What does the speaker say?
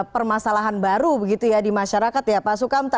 permasalahan baru begitu ya di masyarakat ya pak sukamta